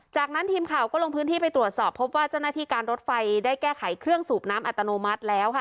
จากนั้นทีมข่าวก็ลงพื้นที่ไปตรวจสอบพบว่าเจ้าหน้าที่การรถไฟได้แก้ไขเครื่องสูบน้ำอัตโนมัติแล้วค่ะ